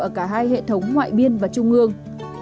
ở cả hai hệ thống ngoại biên và trung ương